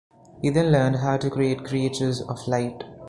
He then learned how to create creatures of light.